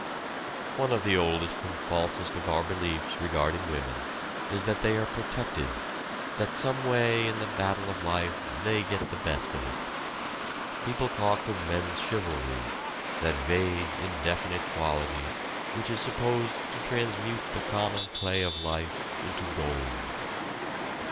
One of the oldest and falsest of our beliefs regarding women is that they are protected that some way in the battle of life they get the best of it. People talk of men's chivalry, that vague, indefinite quality which is supposed to transmute the common clay of life into gold.